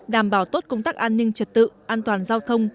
đảm bảo tốt công tác an ninh trật tự an toàn giao thông